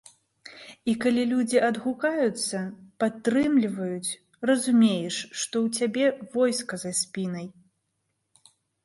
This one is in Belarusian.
І калі людзі адгукаюцца, падтрымліваюць, разумееш, што ў цябе войска за спінай.